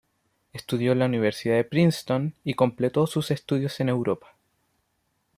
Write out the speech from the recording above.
Estudió en la Universidad de Princeton y completó sus estudios en Europa.